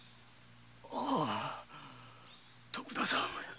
あ徳田さん。